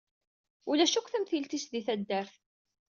Ulac akk tamtilt-is di taddart.